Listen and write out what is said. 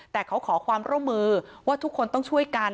แต่เขาขอความร่วมมือว่าทุกคนต้องช่วยกัน